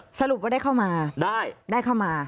อ่าสรุปก็ได้เข้ามา